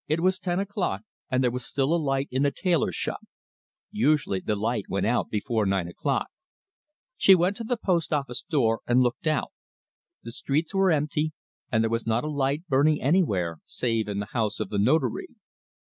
It was ten o'clock, and there was still a light in the tailor's shop. Usually the light went out before nine o'clock. She went to the post office door and looked out. The streets were empty; there was not a light burning anywhere, save in the house of the Notary.